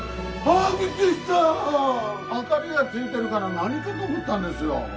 ああびっくりした明かりがついてるから何かと思ったんですよ